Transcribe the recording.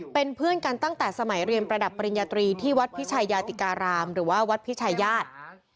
เป็นเพื่อนกันตั้งแต่สมัยเรียนประดับปริญญาตรีที่วัดพิชัยยาติการามหรือว่าวัดพิชายาศ